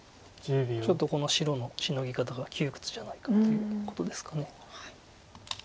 ちょっとこの白のシノギ方が窮屈じゃないかっていうことですか。